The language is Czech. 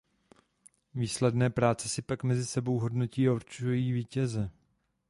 Výsledné práce si pak mezi sebou hodnotí a určují vítěze.